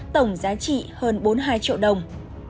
tổng giá trị hơn bốn mươi hai triệu đồng